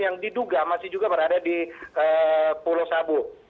yang diduga masih juga berada di pulau sabu